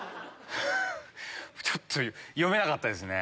ちょっと読めなかったですね